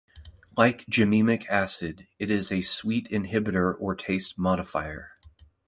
Like gymnemic acid, it is a sweet inhibitor or taste modifier.